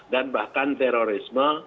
dan bahkan terorisme